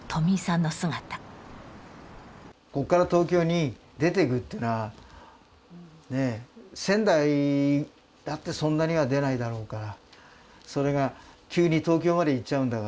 ここから東京に出ていくというのは仙台だってそんなには出ないだろうからそれが急に東京まで行っちゃうんだから。